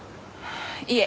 いえ。